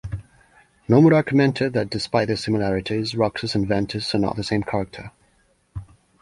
Nomura commented that, despite their similarities, Roxas and Ventus are not the same character.